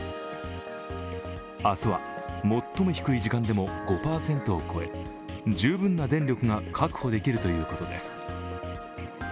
明日は最も低い時間でも５％を超え十分な電力が確保できるということです。